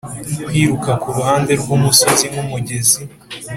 kwiruka kuruhande rwumusozi nkumugezi